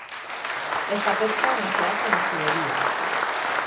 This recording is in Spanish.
Esta pesca no se hace más que de día.